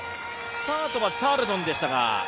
スタートはチャールトンでしたが。